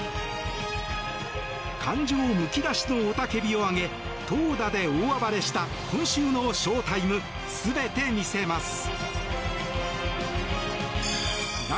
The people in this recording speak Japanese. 感情むき出しの雄たけびを上げ投打で大暴れした今週のショータイム全て見せます。